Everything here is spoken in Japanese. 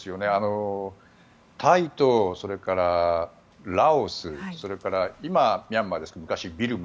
タイと、それからラオスそれから今、ミャンマーですが昔、ビルマ